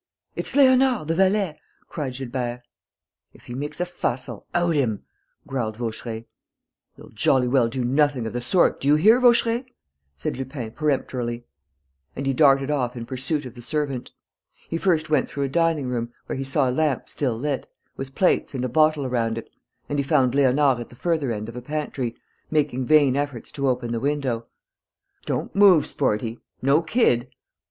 "It's Léonard, the valet!" cried Gilbert. "If he makes a fuss, I'll out him," growled Vaucheray. "You'll jolly well do nothing of the sort, do you hear, Vaucheray?" said Lupin, peremptorily. And he darted off in pursuit of the servant. He first went through a dining room, where he saw a lamp still lit, with plates and a bottle around it, and he found Léonard at the further end of a pantry, making vain efforts to open the window: "Don't move, sportie! No kid!